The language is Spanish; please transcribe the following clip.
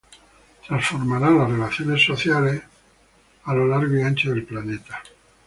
Transformara las relaciones sociales a lo largo y ancho del planeta.